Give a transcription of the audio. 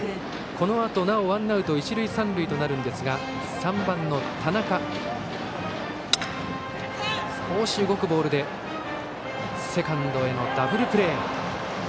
このあとなおワンアウト一塁三塁となるんですが３番、田中のところは少し動くボールでセカンドへのダブルプレー。